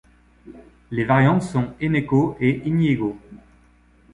Les variantes sont Eneko et Iñigo.